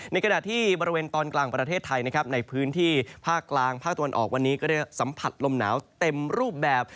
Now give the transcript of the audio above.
ขณะที่บริเวณตอนกลางประเทศไทยนะครับในพื้นที่ภาคกลางภาคตะวันออกวันนี้ก็ได้สัมผัสลมหนาวเต็มรูปแบบ